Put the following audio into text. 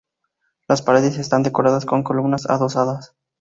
Las paredes están decoradas con columnas adosadas.